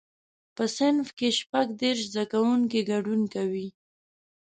په صنف کې شپږ دیرش زده کوونکي ګډون کوي.